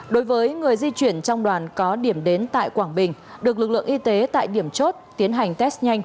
đối với người di chuyển trong đoàn có điểm đến tại quảng bình được lực lượng y tế tại điểm chốt tiến hành test nhanh